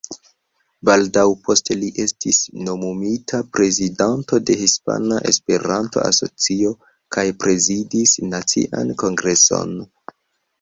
Baldaŭ poste li estis nomumita prezidanto de Hispana Esperanto-Asocio kaj prezidis nacian Kongreson.